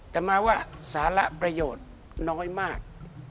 แต่มาว่าสาระประโยชน์น้อยมาก